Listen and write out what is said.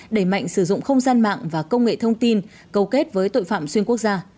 đẩy mạnh sử dụng không gian mạng và công nghệ thông tin cầu kết với tội phạm xuyên quốc gia